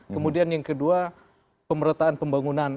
kemudian yang kedua pemerataan pembangunan